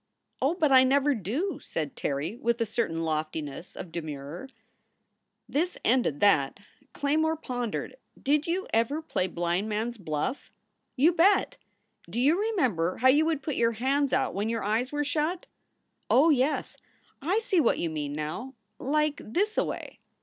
"Oh, but I never do!" said Terry, with a certain loftiness of demurrer. This ended that. Claymore pondered. "Did you ever play blindman s buff?" "You bet!" "Do you remember how you would put your hands out when your eyes were shut?" "Oh yes! I see what you mean now. Like thisaway."